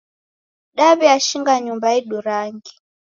Daw'iashinga nyumba yedu rangi